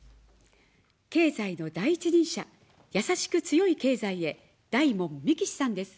経済の第一人者、やさしく強い経済へ、大門みきしさんです。